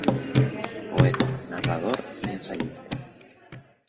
Poeta, narrador y ensayista.